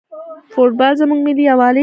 فوټبال زموږ ملي یووالی ټینګوي.